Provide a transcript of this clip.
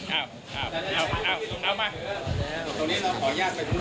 เอ้าเอามา